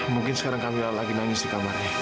mungkin sekarang kami lagi nangis di kamarnya